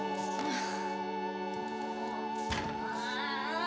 ああ！